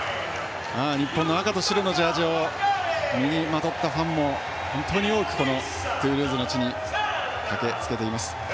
日本の赤と白のジャージを身にまとったファンも本当に多くトゥールーズの地に駆けつけています。